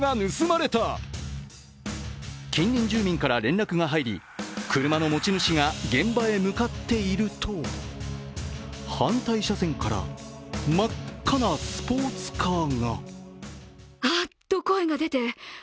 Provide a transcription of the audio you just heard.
近隣住民から連絡が入り車の持ち主が現場へ向かっていると反対車線から真っ赤なスポーツカーが。